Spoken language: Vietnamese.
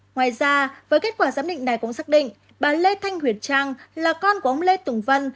ngoài ra với kết quả giám định này cũng xác định bà lê thanh huyệt trang là con của ông lê tùng văn